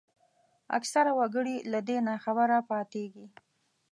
اکثره وګړي له دې ناخبره پاتېږي